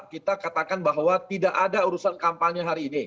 kita katakan bahwa tidak ada urusan kampanye hari ini